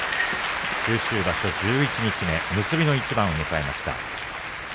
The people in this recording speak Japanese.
九州場所、十一日目結びの一番を迎えました。